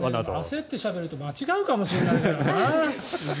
焦ってしゃべると間違うかもしれないからな。